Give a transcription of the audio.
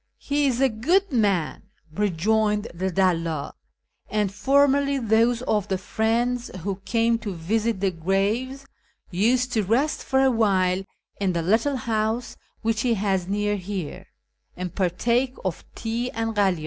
" He is a good man," rejoined the dalldl, " and formerly those of the ' Friends ' who came to visit the graves used to rest for a while in tlie little house which he has near here, and partake of tea and kalydns.